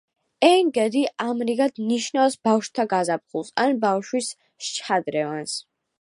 ეინ გედი ამრიგად ნიშნავს „ბავშვთა გაზაფხულს“ ან „ბავშვის შადრევანს“.